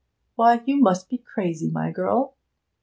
Why, you must be crazy, my girl!'